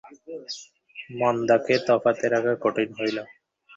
মন্দাকে তফাতে রাখা কঠিন হইল।